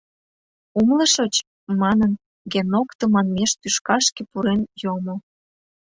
Умылышыч? — манын, Генок тыманмеш тӱшкашке пурен йомо.